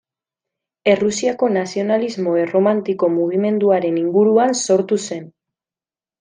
Errusiako nazionalismo erromantiko mugimenduaren inguruan sortu zen.